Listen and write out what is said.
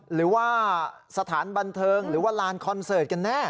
หรือว่าสถานบันเทิงหรือว่าลานคอนเสิร์ตกันแน่